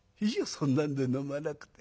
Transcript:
そんなんで飲まなくて。